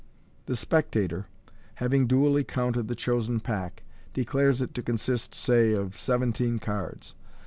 The spectator, having duly counted the chosen pack, declares it to consist, say, of seventeen cards.